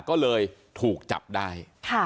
ก็เลยถูกจับได้